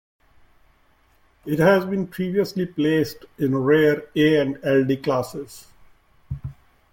It has been previously placed in the rare A and Ld classes.